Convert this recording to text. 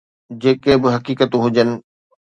جيڪي به حقيقتون هجن.